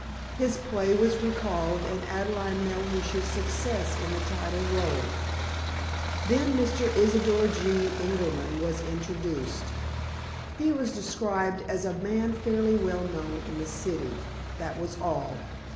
His play was recalled, and Adelaide Melhuish's success in the title rôle. Then Mr. Isidor G. Ingerman was introduced. He was described as "a man fairly well known in the City." That was all.